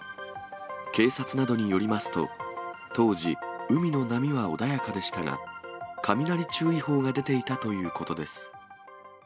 警察などによりますと、当時、海の波は穏やかでしたが、雷注意報が出ていたということです。